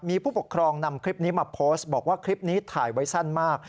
มีผู้ปกครองนำคลิปนี้มาโพสต์บอกว่าคลิปนี้ถ่ายไว้สั้นมาก